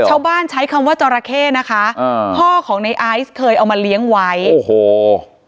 ใช้คำว่าจราเข้นะคะอ่าพ่อของในไอซ์เคยเอามาเลี้ยงไว้โอ้โห